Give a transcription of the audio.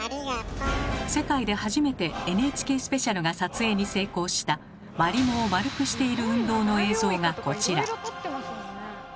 世界で初めて「ＮＨＫスペシャル」が撮影に成功したマリモを丸くしている運動の映像がこちら。